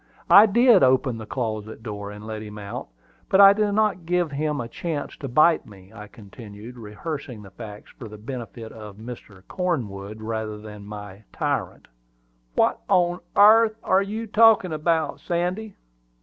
I did open the closet door and let him out; but I did not give him a chance to bite me," I continued, rehearsing the facts for the benefit of Cornwood rather than my tyrant. "What on airth are you talking about, Sandy?